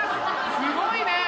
すごいね！